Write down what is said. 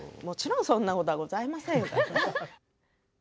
もちろん、そんなことはございませんからね。